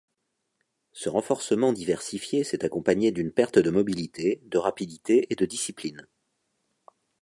Ce renforcement diversifié s'est accompagné d'une perte de mobilité, de rapidité et de discipline.